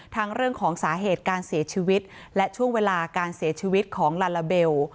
เรื่องของสาเหตุการเสียชีวิตและช่วงเวลาการเสียชีวิตของลาลาเบล